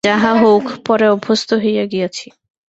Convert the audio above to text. যাহা হউক, পরে অভ্যস্ত হইয়া গিয়াছি।